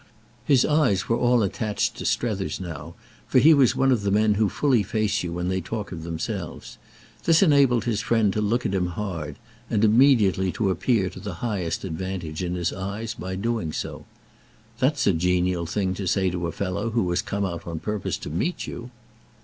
His eyes were all attached to Strether's now, for he was one of the men who fully face you when they talk of themselves. This enabled his friend to look at him hard and immediately to appear to the highest advantage in his eyes by doing so. "That's a genial thing to say to a fellow who has come out on purpose to meet you!"